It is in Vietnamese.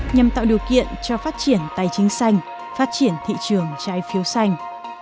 nhằm tạo điều kiện cho phát triển tài chính xanh phát triển thị trường trái phiếu xanh